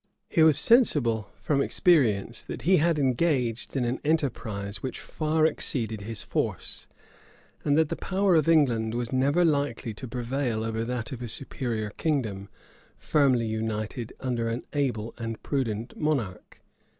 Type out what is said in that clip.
He was sensible, from experience, that he had engaged in an enterprise which far exceeded his force; and that the power of England was never likely to prevail over that of a superior kingdom, firmly united under an able and prudent monarch.